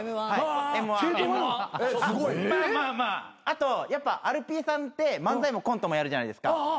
あとアルピーさんって漫才もコントもやるじゃないですか。